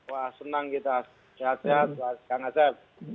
wah senang kita sehat sehat mas kang asep